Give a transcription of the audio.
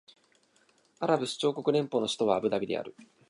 アラブ首長国連邦の首都はアブダビである